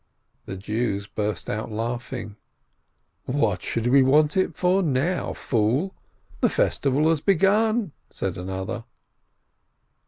The Jews burst out laughing. 'What should we want it for now, fool ?" "The festival has begun!" said another.